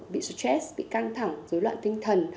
bị stress bị căng thẳng dối loạn tinh thần